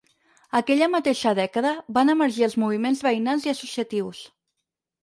Aquella mateixa dècada, van emergir els moviments veïnals i associatius.